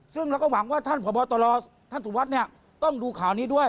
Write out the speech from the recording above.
ซึ่งเราก็หวังว่าท่านพบตรท่านสุวัสดิ์ต้องดูข่าวนี้ด้วย